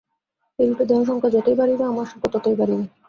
এইরূপে দেহসংখ্যা যতই বাড়িবে, আমার সুখও ততই বাড়িবে।